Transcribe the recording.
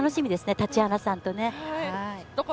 タチアナさんとね。